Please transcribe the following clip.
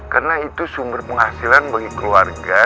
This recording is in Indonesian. karena itu sumber penghasilan bagi keluarga